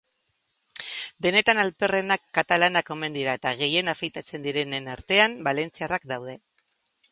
Denetan alperrenak katalanak omen dira eta gehien afeitatzen direnen artean valentziarrak daude.